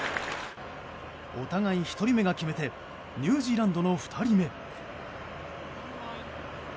お互い１人目が決めてニュージーランドの２人目。